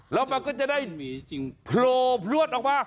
แล้วมันก็จะได้โผล่พลวดออกมา